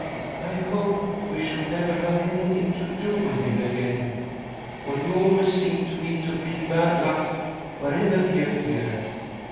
I hoped we should never have anything to do with him . again, for he always seemed to me to bring bad luck wherever he appeared.